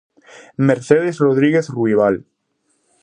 Mercedes Rodríguez Ruibal.